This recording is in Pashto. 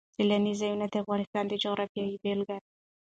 سیلانی ځایونه د افغانستان د جغرافیې بېلګه ده.